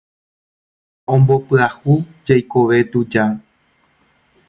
Ha ombopyahu jeikove tuja